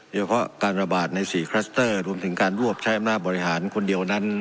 เฉพาะการระบาดใน๔คลัสเตอร์รวมถึงการรวบใช้อำนาจบริหารคนเดียวนั้น